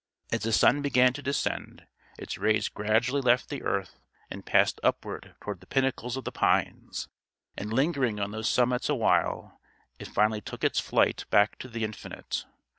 As the sun began to descend, its rays gradually left the earth and passed upward toward the pinnacles of the pines; and lingering on those summits awhile, it finally took its flight back to the infinite.